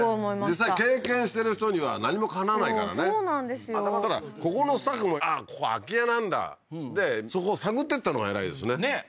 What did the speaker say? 実際経験してる人には何もかなわないからねそうなんですよだからここのスタッフもあっここ空き家なんだでそこを探ってったのが偉いですねねえ